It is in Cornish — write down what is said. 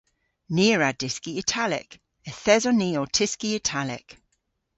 Ni a wra dyski Italek. Yth eson ni ow tyski Italek.